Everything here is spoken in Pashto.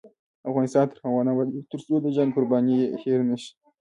افغانستان تر هغو نه ابادیږي، ترڅو د جنګ قربانیان هیر نشي.